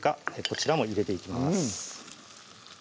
こちらも入れていきます